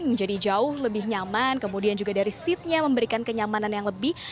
menjadi jauh lebih nyaman kemudian juga dari seatnya memberikan kenyamanan yang lebih